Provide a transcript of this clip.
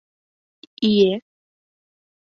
— Ие...